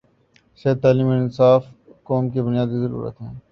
صحت، تعلیم اور انصاف قوم کی بنیادی ضروریات ہیں۔